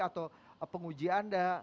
atau penguji anda